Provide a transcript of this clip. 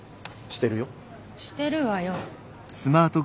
してるわよ。